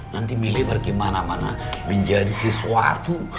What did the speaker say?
nanti melebarkan mana mana menjadi sesuatu